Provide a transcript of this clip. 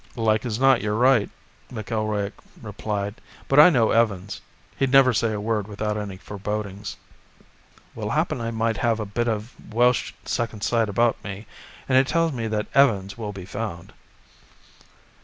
"Like as not, you're right," McIlroy replied, "but if I know Evans, he'd never say a word about any forebodings." "Well, happen I might have a bit of Welsh second sight about me, and it tells me that Evans will be found."